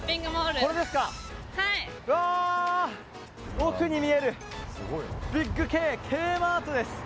奥に見えるＢｉｇＫＫマートです！